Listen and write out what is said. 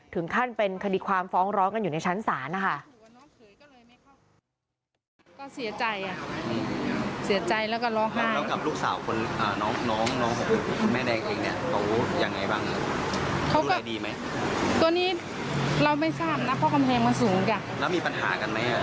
ถึงขั้นเป็นคดีความฟ้องร้องกันอยู่ในชั้นศาลนะคะ